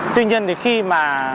tuy nhiên thì khi mà